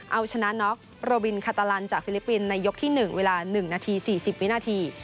เอาชนะน็อกโรบินคาตาลันจากฟิลิปปินส์ในยกที่๑เวลา๑นาที๔๐วินาที